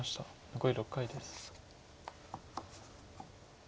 残り６回です。